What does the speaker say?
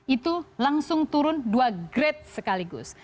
itu langsung turun dua grade sekaligus